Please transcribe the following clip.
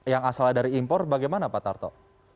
yang asal dari impor bagaimana pak tarto